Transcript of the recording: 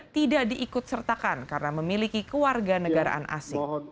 tidak diikut sertakan karena memiliki keluarga negaraan asing